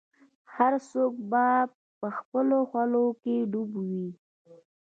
هر څوک به خپلو حولو کي ډوب وي